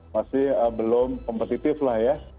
masih belum kompetitif lah ya